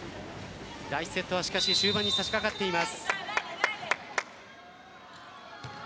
第１セットは終盤に差し掛かっています。